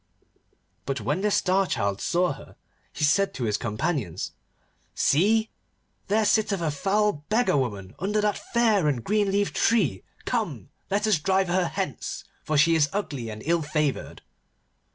But when the Star Child saw her, he said to his companions, 'See! There sitteth a foul beggar woman under that fair and green leaved tree. Come, let us drive her hence, for she is ugly and ill favoured.